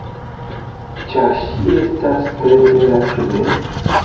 Ĉar ŝi estas tre bela, ĉu ne?